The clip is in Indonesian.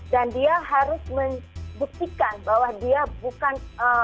dan dia harus membuktikan bahwa dia bukan